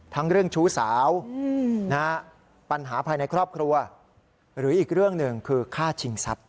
เรื่องชู้สาวปัญหาภายในครอบครัวหรืออีกเรื่องหนึ่งคือฆ่าชิงทรัพย